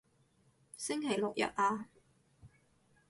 星期六日啊